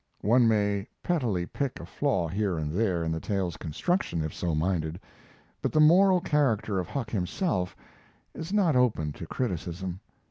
One may pettily pick a flaw here and there in the tale's construction if so minded, but the moral character of Huck himself is not open to criticism.